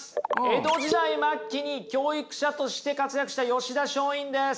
江戸時代末期に教育者として活躍した吉田松陰です。